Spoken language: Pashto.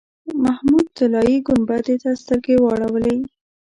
محمود طلایي ګنبدې ته سترګې واړولې.